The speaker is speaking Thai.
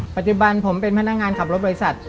ปัจจุบันผมเป็นพนักงานขับรถบริษัท